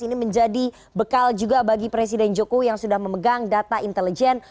ini menjadi bekal juga bagi presiden jokowi yang sudah memegang data intelijen